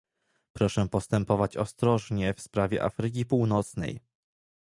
Proszę postępować ostrożnie w sprawie Afryki Północnej